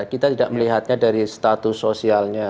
kita tidak melihatnya dari status sosialnya